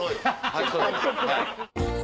はい。